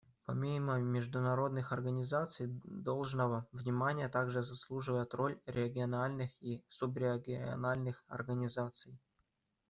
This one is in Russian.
Помимо международных организаций, должного внимания также заслуживает роль региональных и субрегиональных организаций.